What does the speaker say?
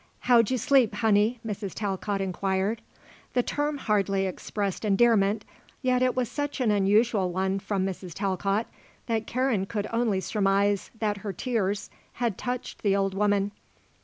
"How'd you sleep, honey?" Mrs. Talcott inquired. The term hardly expressed endearment, yet it was such an unusual one from Mrs. Talcott that Karen could only surmise that her tears had touched the old woman.